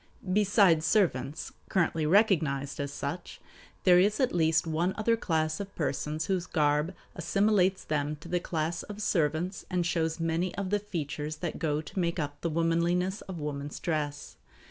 Besides servants, currently recognized as such, there is at least one other class of persons whose garb assimilates them to the class of servants and shows many of the features that go to make up the womanliness of woman's dress.